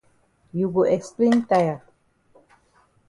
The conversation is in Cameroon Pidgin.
You go explain tire.